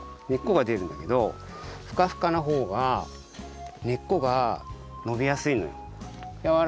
根っこがでるんだけどふかふかなほうが根っこがのびやすいのよ。